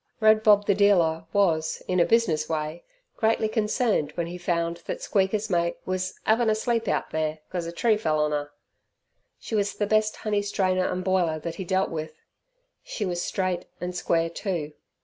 Red Bob the dealer was, in a business way, greatly concerned, when he found that Squeaker's mate was "'avin' a sleep out there 'cos a tree fell on her". She was the best honey strainer and boiler that he dealt with. She was straight and square too.